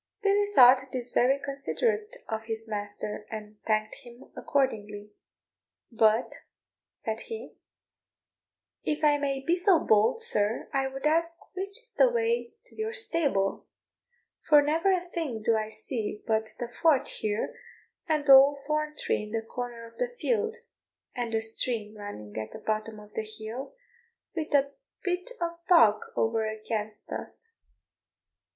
Billy thought this very considerate of his master, and thanked him accordingly: "But," said he, "if I may be so bold, sir, I would ask which is the way to your stable, for never a thing do I see but the fort here, and the old thorn tree in the corner of the field, and the stream running at the bottom of the hill, with the bit of bog over against us."